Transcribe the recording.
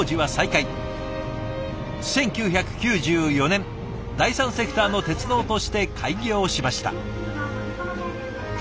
１９９４年第３セクターの鉄道として開業しました。